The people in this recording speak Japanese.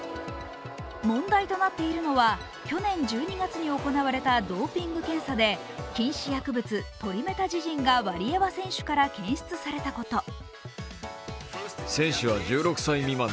問題となっているのは去年１２月に行われたドーピング検査で禁止薬物、トリメタジジンがワリエワ選手から検出されたこと。